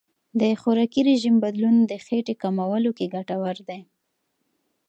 د خوراکي رژیم بدلون د خېټې کمولو کې ګټور دی.